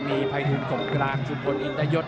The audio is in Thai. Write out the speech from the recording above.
มีภัยทุนกล่องกลางชุดผลอินตะยด